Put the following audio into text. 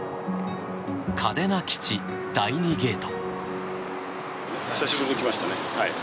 嘉手納基地、第２ゲート。